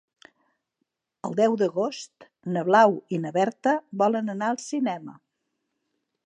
El deu d'agost na Blau i na Berta volen anar al cinema.